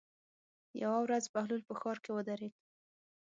یوه ورځ بهلول په ښار کې ودرېد.